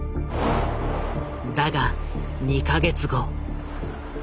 だが２か月後。